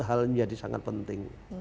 hal yang jadi sangat penting